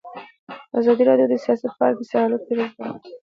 ازادي راډیو د سیاست په اړه د سیاستوالو دریځ بیان کړی.